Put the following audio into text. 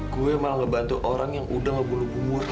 gue malah ngebantu orang yang udah ngebunuh bung murni